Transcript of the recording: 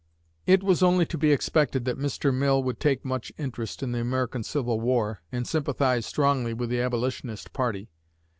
It was only to be expected that Mr. Mill would take much interest in the American civil war, and sympathize strongly with the Abolitionist party.